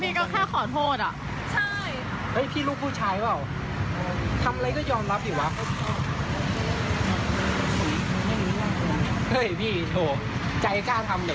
เพื่อนหนูเป็นผู้ชิดเสื้อของลูกล้มน่าอยู่พี่สวนหนูจะพารอยอ่ะ